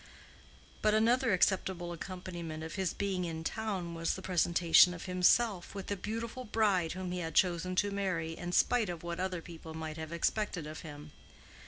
But another acceptable accompaniment of his being in town was the presentation of himself with the beautiful bride whom he had chosen to marry in spite of what other people might have expected of him.